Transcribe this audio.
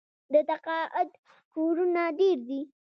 د تقاعد کورونه ډیر دي.